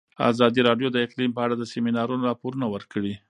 ازادي راډیو د اقلیم په اړه د سیمینارونو راپورونه ورکړي.